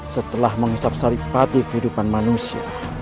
setelah menghisap saripati kehidupan manusia